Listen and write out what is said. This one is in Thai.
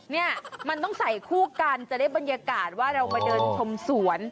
เนี่ยมันต้องใส่คู่กันจะได้บรรยากาศว่าเรามาเดินชมสวน